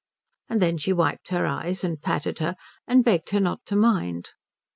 And then she wiped her eyes, and patted her, and begged her not to mind.